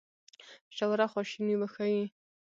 ژوره خواشیني وښيي.